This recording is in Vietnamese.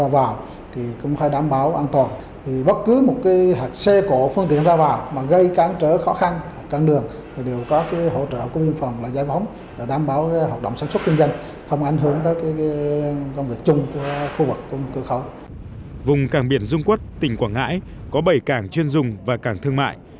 vùng cảng biển dung quất tỉnh quảng ngãi có bảy cảng chuyên dùng và cảng thương mại